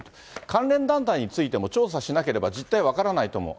関連団体についても調査しなければ、実態分からないと思う。